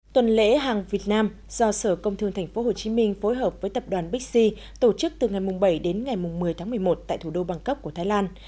tuần lễ hàng việt nam do sở công thương tp hcm phối hợp với tập đoàn bixi tổ chức từ ngày bảy đến ngày một mươi tháng một mươi một tại thủ đô bangkok của thái lan